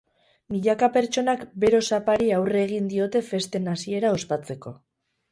Milaka pertsonak bero sapari aurre egin diote festen hasiera ospatzeko.